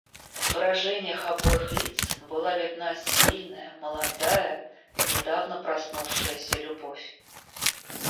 В выражениях обоих лиц была видна сильная, молодая, недавно проснувшаяся любовь.